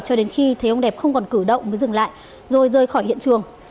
cho đến khi thấy ông đẹp không còn cử động mới dừng lại rồi rời khỏi hiện trường